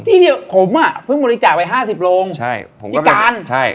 ที่เนี้ยผมอ่ะเพิ่งบริจาคไปห้าสิบโรงใช่ผมที่การใช่